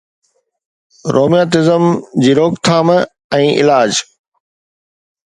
rheumatism جي روڪٿام ۽ علاج